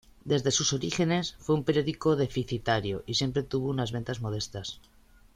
Desde sus orígenes fue un periódico deficitario, y siempre tuvo unas ventas modestas.